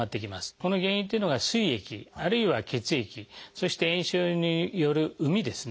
この原因っていうのがすい液あるいは血液そして炎症による膿ですね